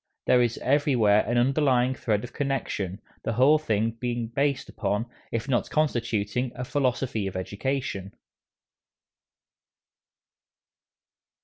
There is everywhere an underlying thread of connection, the whole being based upon, if not constituting, a philosophy of education.